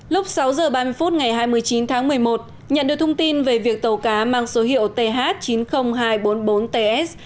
lúc sáu giờ ba mươi phút ngày hai mươi chín tháng một mươi một nhận được thông tin về việc tàu cá mang số hiệu th chín mươi nghìn hai trăm bốn mươi bốn ts